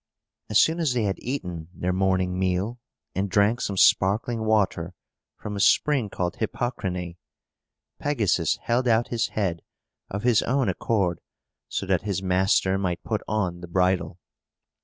As soon as they had eaten their morning meal, and drank some sparkling water from a spring called Hippocrene, Pegasus held out his head, of his own accord, so that his master might put on the bridle.